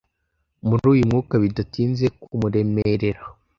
muri uyu mwuka bidatinze kumuremerera